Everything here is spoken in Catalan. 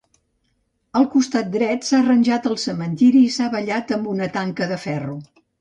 Al costat dret s'ha arranjat el cementiri i s'ha ballat amb una tanca de ferro.